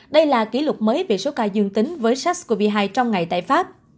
đây là kỷ lục mới về số ca dương tính